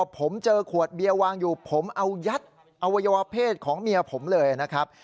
ผมเจอขวดเบียร์วางอยู่ผมเอายัดอวัยวะเพศของเมียผมเลยนะครับ